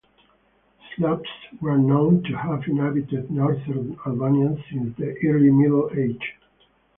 Slavs were known to have inhabited northern Albanian since the early Middle Ages.